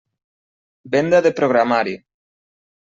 Venda de programari.